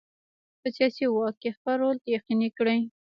په سیاسي واک کې خپل رول یقیني کړي.